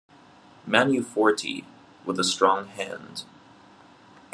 Manu Forti - "With a Strong Hand"